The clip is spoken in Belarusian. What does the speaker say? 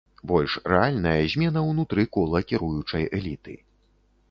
Больш рэальная змена ўнутры кола кіруючай эліты.